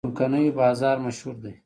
د څمکنیو بازار مشهور دی